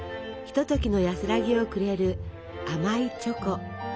ひとときの安らぎをくれる甘いチョコ。